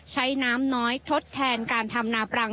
ใช้น้ำน้อยทดแทนการทำนาปรัง